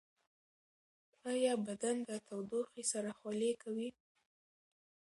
ایا بدن د تودوخې سره خولې کوي؟